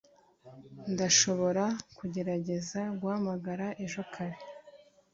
Ndashobora kugerageza guhamagara ejo kare